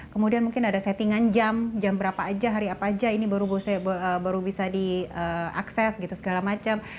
kemudian mungkin ada settingan jam jam berapa aja hari apa aja ini baru bisa diakses gitu segala macam